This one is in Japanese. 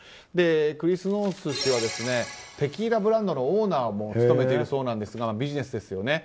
クリス・ノース氏はテキーラブランドのオーナーも務めているそうなんですがビジネスですよね。